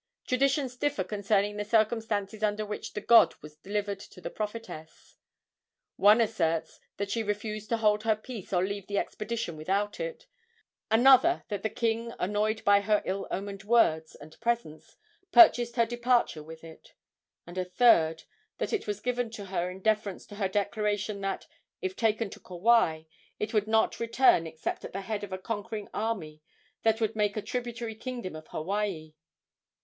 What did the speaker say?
Traditions differ concerning the circumstances under which the god was delivered to the prophetess. One asserts that she refused to hold her peace or leave the expedition without it; another that the king, annoyed by her ill omened words and presence, purchased her departure with it; and a third that it was given to her in deference to her declaration that, if taken to Kauai, it would not return except at the head of a conquering army that would make a tributary kingdom of Hawaii.